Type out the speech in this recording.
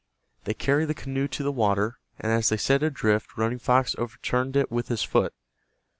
They carried the canoe to the water, and as they set it adrift Running Fox overturned it with his foot.